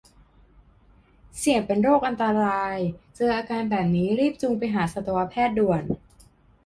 เสี่ยงเป็นโรคอันตราย เจออาการแบบนี้รีบจูงไปหาสัตวแพทย์ด่วน